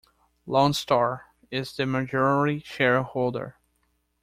Lone Star is the majority shareholder.